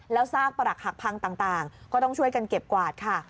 แล้วซากปรักหักพังต่างก็ต้องช่วยกันเก็บกวาดค่ะ